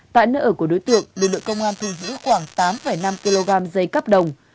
tại nơi ở của đối tượng lực lượng công an thu giữ khoảng tám năm kg dây cắp đồng